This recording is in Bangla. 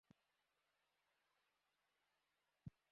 দ্রুত উঠে পড়ো।